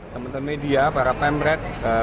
teman teman media para pemret